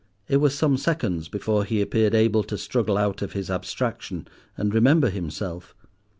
It was some seconds before he appeared able to struggle out of his abstraction, and remember himself.